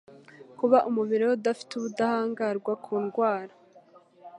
Kuba umubiri we udafite ubudahangarwa ku ndwara